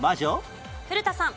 古田さん。